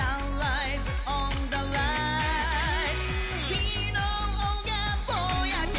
昨日がぼやけ